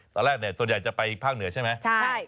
ตอนแรกส่วนใหญ่จะไปภาคเหนือใช่ไหม